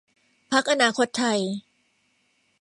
พรรคอนาคตไทย